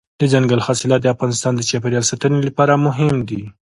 دځنګل حاصلات د افغانستان د چاپیریال ساتنې لپاره مهم دي.